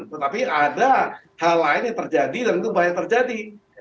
tetapi ada hal lain yang terjadi dan itu banyak terjadi